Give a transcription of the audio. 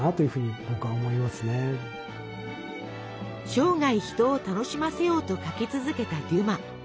生涯人を楽しませようと書き続けたデュマ。